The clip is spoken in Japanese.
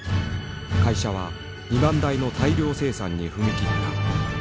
会社は２万台の大量生産に踏み切った。